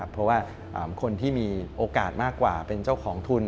เพราะว่าคนที่มีโอกาสมากกว่าเป็นเจ้าของทุน